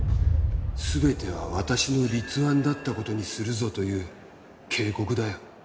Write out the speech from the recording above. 全ては私の立案だった事にするぞという警告だよ。